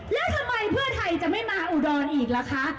แล้วทำไมเพื่อไทยจะไม่มาอุดรอีกล่ะคะ